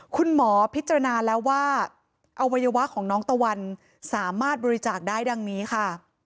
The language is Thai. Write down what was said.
คุณหมอพิจารณาแล้วว่าอวัยวะของน้องตะวันสามารถบริจาคได้ดังนี้ค่ะ